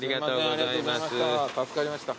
助かりました。